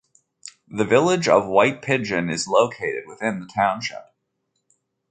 The village of White Pigeon is located within the township.